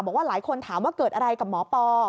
บอกว่าหลายคนถามว่าเกิดอะไรกับหมอปอ